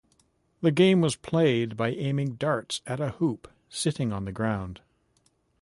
The game was played by aiming darts at a hoop sitting on the ground.